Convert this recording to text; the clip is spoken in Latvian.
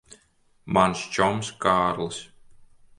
Mans čoms Kārlis.